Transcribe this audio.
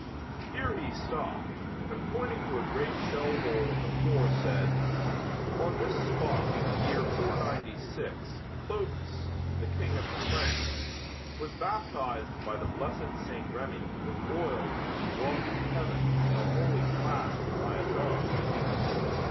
Here he stopped, and pointing to a great shell hole in the floor said: "On this spot in the year 496 Clovis, the King of the Franks, was baptized by the blessed St. Remi with oil which was brought from heaven in a holy flask by a dove."